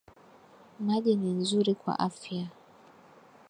Maji ni nzuri kwa afya